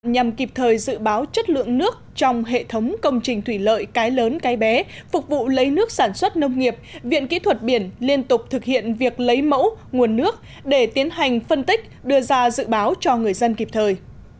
nhằm kịp thời dự báo chất lượng nước trong hệ thống công trình thủy lợi cái lớn cái bé phục vụ lấy nước sản xuất nông nghiệp viện kỹ thuật biển liên tục thực hiện việc lấy mẫu nguồn nước để tiến hành phân tích đưa ra dự báo cho người dân kịp thời